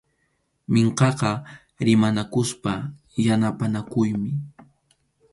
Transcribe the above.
Minkʼaqa rimanakuspa yanapanakuymi.